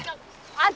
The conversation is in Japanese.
あっ！